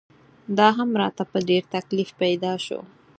دا هم راته په ډېر تکلیف پیدا شو.